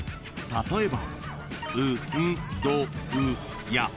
［例えば］